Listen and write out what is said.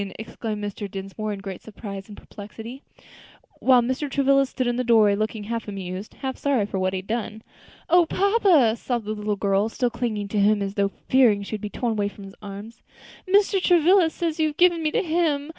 exclaimed Mr. Dinsmore in great surprise and perplexity; while Mr. Travilla stood in the doorway looking half amused, half sorry for what he had done. "O papa!" sobbed the little girl, still clinging to him as though fearing she should be torn from his arms, "Mr. Travilla says you have given me to him.